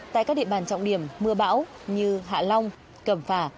tại các địa bàn trọng điểm mưa bão như hạ long cẩm phả